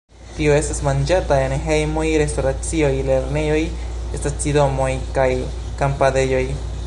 Tio estas manĝata en hejmoj, restoracioj, lernejoj, stacidomoj kaj kampadejoj.